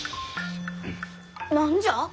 何じゃ？